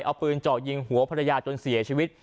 เอาปืนเจาะยิงหัวภรรยาจนเสียชีวิต